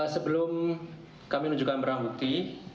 sebelum kami menunjukkan berangkuti